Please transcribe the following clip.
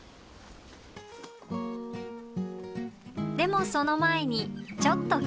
でもその前にちょっと休憩。